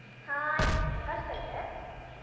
はい任しといて。